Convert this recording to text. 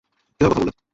কীভাবে কথা বললে?